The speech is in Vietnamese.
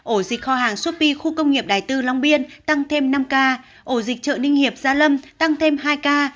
ổ dịch kho hàng shopee khu công nghiệp đại tư long biên tăng thêm năm ca ổ dịch chợ ninh hiệp gia lâm tăng thêm hai ca